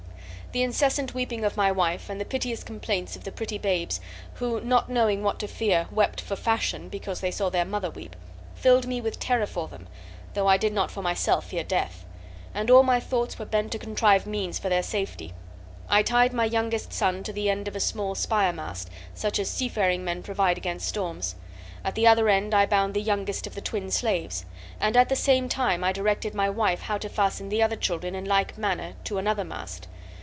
"The incessant weeping of my wife and the piteous complaints of the pretty babes, who, not knowing what to fear, wept for fashion, because they saw their mother weep, filled me with terror for them, though I did not for myself fear death; and all my thoughts were bent to contrive means for their safety. I tied my youngest son to the end of a small spire mast, such as seafaring men provide against storms; at the other end I bound the youngest of the twin slaves, and at the same time I directed my wife how to fasten the other children in like manner to another mast.